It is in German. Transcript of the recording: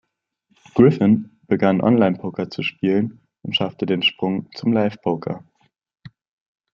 Griffin begann Onlinepoker zu spielen und schaffte den Sprung zum Live-Poker.